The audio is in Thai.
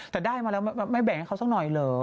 แต่ได้มาแล้วไม่แบ่งให้เขาสักหน่อยเหรอ